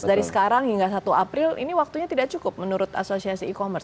dari sekarang hingga satu april ini waktunya tidak cukup menurut asosiasi e commerce